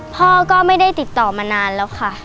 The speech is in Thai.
พ่อก็ไม่ได้ติดต่อมานานแล้วค่ะ